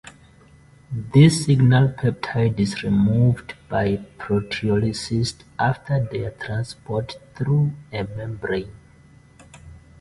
This signal peptide is removed by proteolysis after their transport through a membrane.